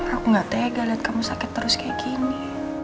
aku gak tega lihat kamu sakit terus kayak gini